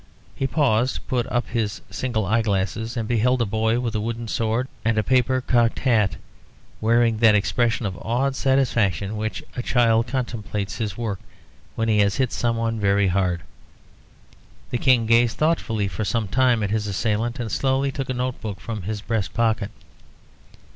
He paused, put up his single eye glass, and beheld a boy with a wooden sword and a paper cocked hat, wearing that expression of awed satisfaction with which a child contemplates his work when he has hit some one very hard. The King gazed thoughtfully for some time at his assailant, and slowly took a note book from his breast pocket.